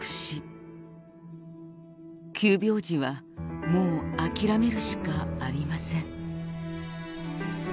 「急病時はもうあきらめるしかありません」